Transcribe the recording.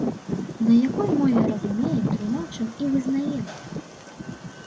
На якой мове разумеем, тлумачым і вызнаем?